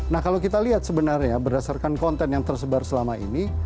nah kalau kita lihat sebenarnya berdasarkan konten yang tersebar selama ini